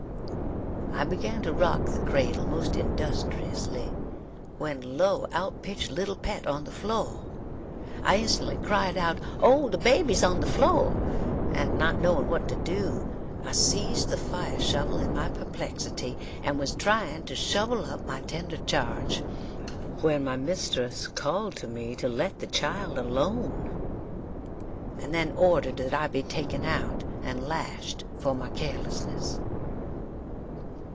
I began to rock the cradle most industriously, when lo! out pitched little pet on the floor. I instantly cried out, "Oh! the baby is on the floor;" and, not knowing what to do, I seized the fire shovel in my perplexity, and was trying to shovel up my tender charge, when my mistress called to me to let the child alone, and then ordered that I be taken out and lashed for my carelessness.